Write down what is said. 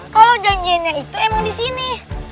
kalau janjiannya itu emang disini